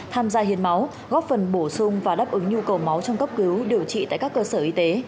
tham gia hiến máu góp phần bổ sung và đáp ứng nhu cầu máu trong cấp cứu điều trị tại các cơ sở y tế